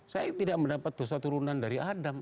saya tidak mendapat dosa turunan dari adam